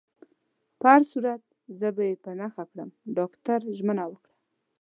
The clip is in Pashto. په هر صورت، زه به يې په نښه کړم. ډاکټر ژمنه وکړه.